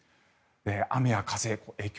雨や風、影響